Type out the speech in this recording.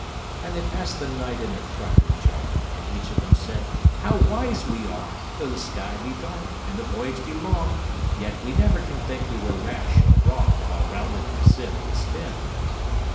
And they pass'd the night in a crockery jar; And each of them said, "How wise we are! Though the sky be dark, and the voyage be long, Yet we never can think we were rash or wrong, While round in our sieve we spin."